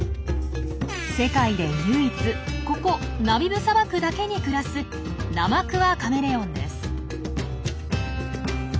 世界で唯一ここナミブ砂漠だけに暮らすナマクワカメレオンです。